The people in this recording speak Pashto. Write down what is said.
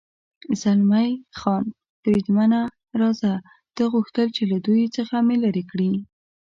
زلمی خان: بریدمنه، راځه، ده غوښتل چې له دوی څخه مې لرې کړي.